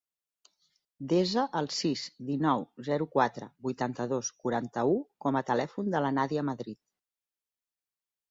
Desa el sis, dinou, zero, quatre, vuitanta-dos, quaranta-u com a telèfon de la Nàdia Madrid.